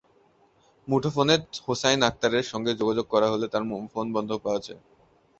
মুঠোফোনে হোছাইন আক্তারের সঙ্গে যোগাযোগ করা হলে তাঁর ফোন বন্ধ পাওয়া যায়।